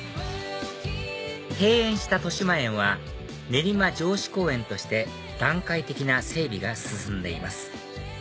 閉園したとしまえんは練馬城址公園として段階的な整備が進んでいます